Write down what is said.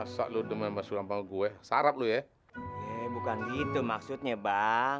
sampai jumpa di video selanjutnya